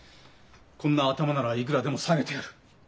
こんな頭ならいくらでも下げてやる。